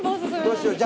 どうしよう。